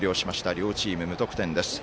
両チーム、無得点です。